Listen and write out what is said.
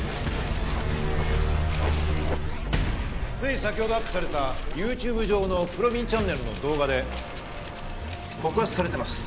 つい先ほどアップされたＹｏｕＴｕｂｅ上の『ぷろびんチャンネル』の動画で告発されてます。